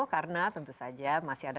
karena tentu saja masih ada